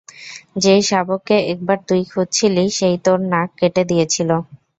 যেই শাবককে একবার তুই খুঁজছিলি, সে তোর নাক কেটে দিয়েছিল।